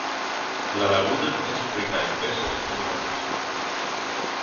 La laguna es rica en peces y camarones.